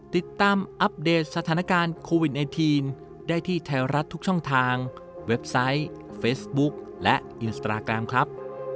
อัปเดตสถานการณ์โควิด๑๙ได้ที่ไทยรัฐทุกช่องทางเว็บไซต์เฟซบุ๊คและอินสตราแกรมครับ